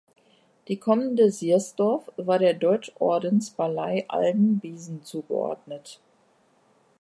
Die Kommende Siersdorf war der Deutschordensballei Alden Biesen zugeordnet.